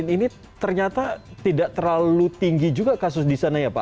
ini ternyata tidak terlalu tinggi juga kasus di sana ya pak